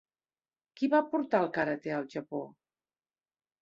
Qui va portar el karate al Japó?